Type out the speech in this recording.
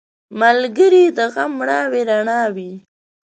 ملګری د غم مړاوې رڼا وي